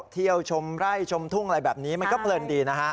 เที่ยวชมไร่ชมทุ่งอะไรแบบนี้มันก็เพลินดีนะฮะ